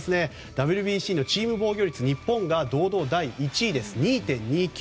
ＷＢＣチーム防御率日本が堂々の第１位で２．２９。